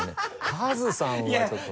「かずさん」はちょっと。